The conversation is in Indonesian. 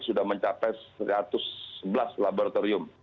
sudah mencapai satu ratus sebelas laboratorium